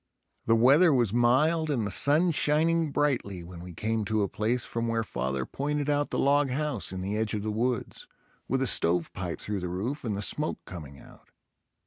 The weather was mild and the sun shining brightly when we came to a place from where father pointed out the log house in the edge of the woods, with a stovepipe through the roof and the smoke coming out.